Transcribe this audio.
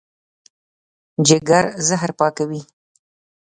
جګر زهر پاکوي.